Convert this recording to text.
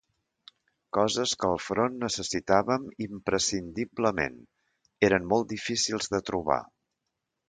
Coses que al front necessitàvem imprescindiblement, eren molt difícils de trobar